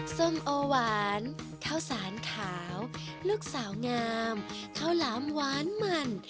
ส้มโอหวานข้าวสารขาวลูกสาวงามข้าวหลามหวานมัน